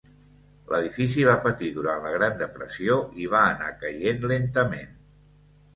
L'edifici va patir durant la Gran Depressió i va anar caient lentament.